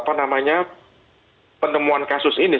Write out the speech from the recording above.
sebetulnya dua hari itu rata rata mereka sudah terdiagnosis